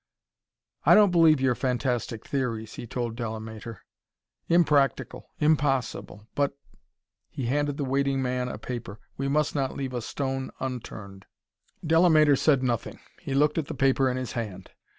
"I don't believe your fantastic theories," he told Delamater. "Impractical impossible! But " He handed the waiting man a paper. "We must not leave a stone unturned." Delamater said nothing; he looked at the paper in his hand.